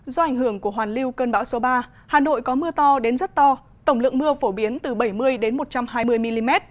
do ảnh hưởng của hoàn lưu cơn bão số ba hà nội có mưa to đến rất to tổng lượng mưa phổ biến từ bảy mươi đến một trăm hai mươi mm